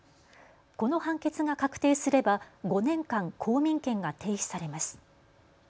この判決が確定すれば５年間、公民権が停止されます。